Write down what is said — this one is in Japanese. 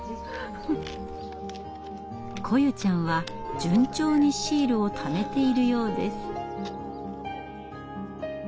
來夢ちゃんは順調にシールをためているようです。